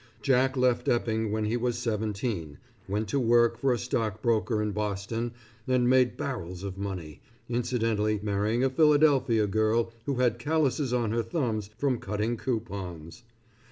Jack left Epping when he was seventeen, went to work for a stock broker in Boston, and made barrels of money, incidently marrying a Philadelphia girl who had callouses on her thumbs from cutting coupons.